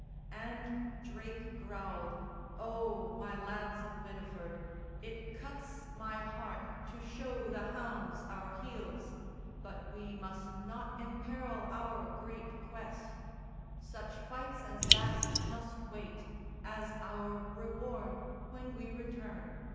And Drake growled, "Oh, my lads of Bideford, It cuts my heart to show the hounds our heels; But we must not emperil our great quest! Such fights as that must wait as our reward When we return.